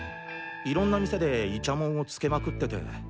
いろんな店でイチャモンをつけまくってて。